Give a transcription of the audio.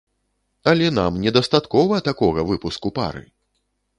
Але нам недастаткова такога выпуску пары!